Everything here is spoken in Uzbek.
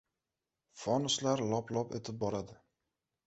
Fonuslar lop-lop etib boradi.